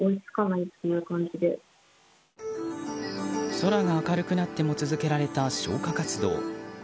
空が明るくなっても続けられた消火活動。